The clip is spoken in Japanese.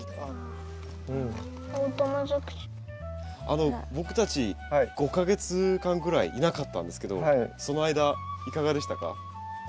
あの僕たち５か月間ぐらいいなかったんですけどその間いかがでしたか？